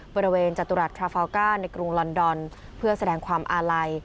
บริเวณจตุรัสคาฟาวก้าในกรุงลอนดอนเพื่อแสดงความอาลัย